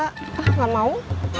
hah nggak mau